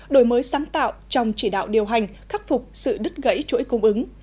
đổi mới sáng tạo trong chỉ đạo điều hành khắc phục sự đứt gãy chuỗi cung ứng